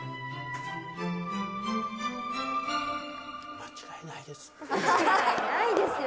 間違いないですよ